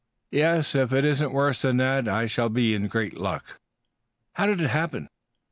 "Yes. If it isn't worse than that I shall be in great luck." "How did it happen?"